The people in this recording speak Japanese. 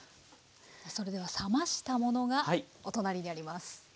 それでは冷ましたものがお隣にあります。